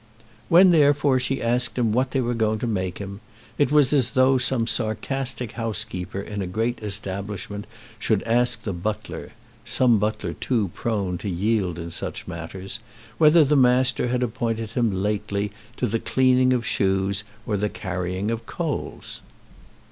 When therefore she asked him what they were going to make him, it was as though some sarcastic housekeeper in a great establishment should ask the butler, some butler too prone to yield in such matters, whether the master had appointed him lately to the cleaning of shoes or the carrying of coals.